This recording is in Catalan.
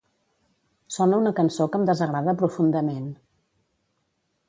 Sona una cançó que em desagrada profundament.